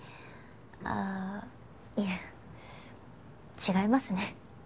ああいえ違いますね。